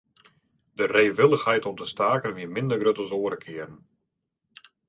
De reewillichheid om te staken wie minder grut as oare kearen.